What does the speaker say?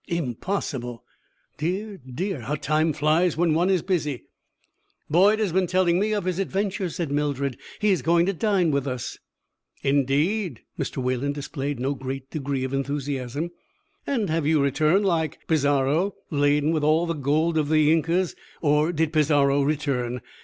"Impossible! Dear, dear, how time flies when one is busy." "Boyd has been telling me of his adventures," said Mildred. "He is going to dine with us." "Indeed." Mr. Wayland displayed no great degree of enthusiasm. "And have you returned, like Pizarro, laden with all the gold of the Incas? Or did Pizarro return?